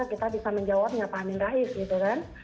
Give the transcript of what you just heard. kita bisa menjawabnya pak amin rais gitu kan